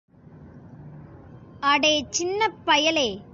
அடே சின்னப் பயலே!